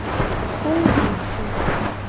Vuuzınşşe?